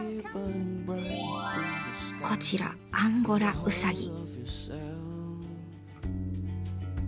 こちらアンゴラウサギ。